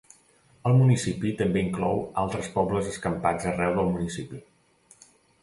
El municipi també inclou altres pobles escampats arreu del municipi.